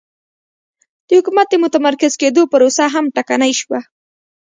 د حکومت د متمرکز کېدو پروسه هم ټکنۍ شوه